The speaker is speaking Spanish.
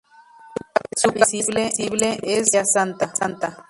Su cabeza visible es Lucia Santa.